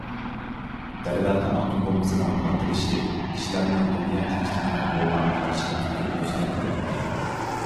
دەرۋەقە، ئاتوم بومبىسىنىڭ پارتلىشى كىشىلەرنىڭ دۇنيا تىنچلىقىغا بولغان قارىشىنى تۈپتىن ئۆزگەرتىۋەتتى.